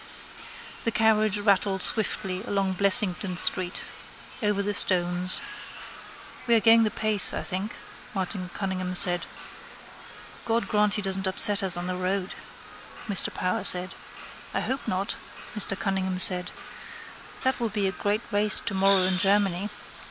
The carriage rattled swiftly along Blessington street. Over the stones. —We are going the pace, I think, Martin Cunningham said. —God grant he doesn't upset us on the road, Mr Power said. —I hope not, Martin Cunningham said. That will be a great race tomorrow in Germany.